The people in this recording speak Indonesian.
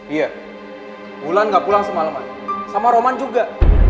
iya wulan gak pulang semaleman sama roman juga